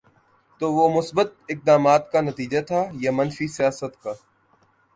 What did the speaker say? تو وہ مثبت اقدامات کا نتیجہ تھا یا منفی سیاست کا؟